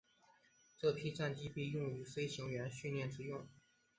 这批战机被用于飞行员训练之用。